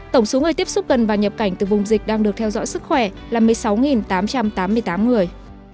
tổng số người tiếp xúc gần và nhập cảnh từ vùng dịch đang được theo dõi sức khỏe là một mươi sáu tám trăm tám mươi tám người